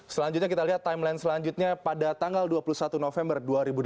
selanjutnya kita lihat timeline selanjutnya pada tanggal dua puluh satu november dua ribu delapan belas